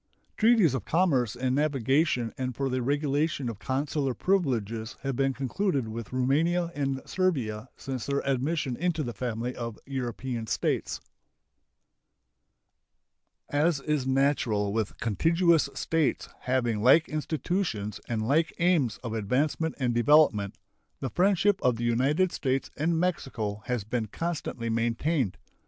Treaties of commerce and navigation and for the regulation of consular privileges have been concluded with Roumania and Servia since their admission into the family of European States. As is natural with contiguous states having like institutions and like aims of advancement and development, the friendship of the United States and Mexico has been constantly maintained.